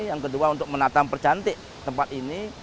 yang kedua untuk menatam percantik tempat ini